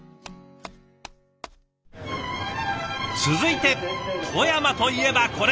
続いて富山といえばこれ！